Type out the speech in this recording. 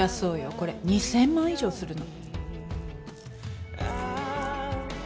これ２，０００万以上するの。